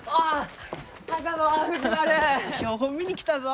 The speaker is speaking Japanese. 標本見に来たぞ。